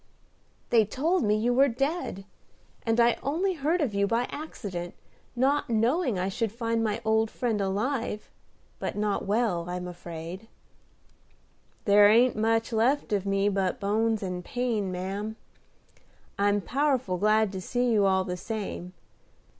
"They told me you were dead, and I only heard of you by accident, not knowing I should find my old friend alive, but not well, I'm afraid?" "There ain't much left of me but bones and pain, ma'am. I'm powerful glad to see you all the same.